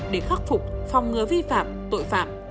để khắc phục phong ngừa vi phạm tội phạm